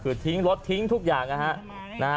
คือทิ้งรถทิ้งทุกอย่างนะฮะ